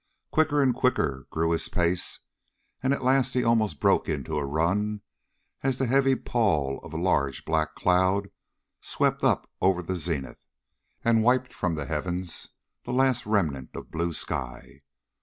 Quicker and quicker grew his pace, and at last he almost broke into a run as the heavy pall of a large black cloud swept up over the zenith, and wiped from the heavens the last remnant of blue sky.